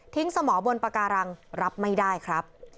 สมองบนปากการังรับไม่ได้ครับ